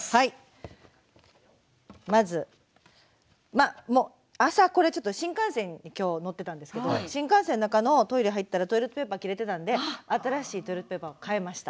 まず朝これちょっと新幹線に今日乗ってたんですけど新幹線の中のトイレ入ったらトイレットペーパー切れてたんで新しいトイレットペーパーを替えました。